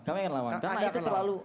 karena itu terlalu